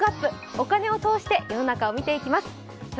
お金を通して世の中を見ていきます。